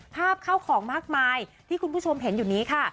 ข้าวของมากมายที่คุณผู้ชมเห็นอยู่นี้ค่ะ